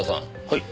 はい。